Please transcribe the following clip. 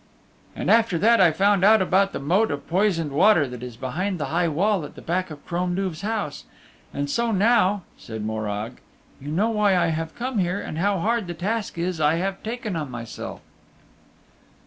And after that I found out about the Moat of Poisoned Water that is behind the high wall at the back of Crom Duv's house. And so now (said Morag), you know why I have come here and how hard the task is I have taken on myself.